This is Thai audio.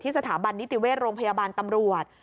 สถาบันนิติเวชโรงพยาบาลตำรวจ